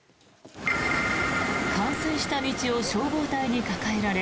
冠水した道を消防隊に抱えられ